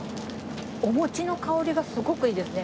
お餅の香りがすごくいいですね。